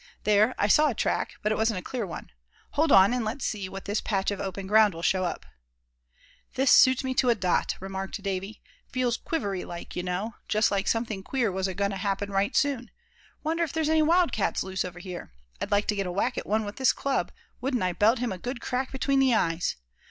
There, I saw a track, but it wasn't a clear one. Hold on, and let's see what this patch of open ground will show up." "This just suits me to a dot," remarked Davy. "Feels quivery like, you know, just like something queer was agoin' to happen right soon. Wonder if there's any wildcats loose over here. I'd like to get a whack at one with this club; wouldn't I belt him a good crack between the eyes.